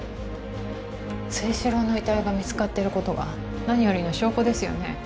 征四郎の遺体が見つかってることが何よりの証拠ですよね？